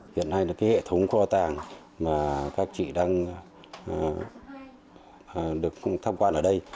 hiện nay là cái hệ thống kho tàng mà các chị đang được tham quan ở đây